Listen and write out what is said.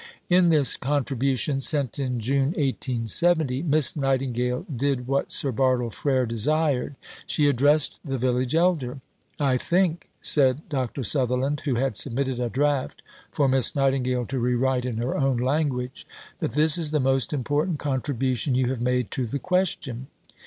In this contribution, sent in June 1870, Miss Nightingale did what Sir Bartle Frere desired: she addressed the Village Elder. "I think," said Dr. Sutherland, who had submitted a draft for Miss Nightingale to rewrite in her own language, "that this is the most important contribution you have made to the question."